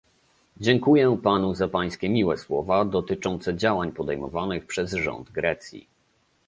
Dziękuję panu za pańskie miłe słowa, dotyczące działań podejmowanych przez rząd Grecji